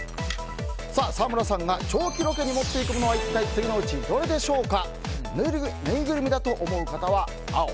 沢村さんが長期ロケに持っていくものは次のうちどれでしょうか？